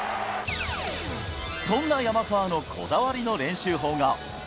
そんな山沢のこだわりの練習法が。